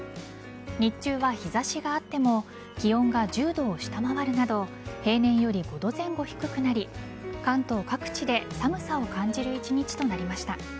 日中は日差しがあっても気温が１０度を下回るなど平年より５度前後低くなり関東各地で寒さを感じる一日となりました。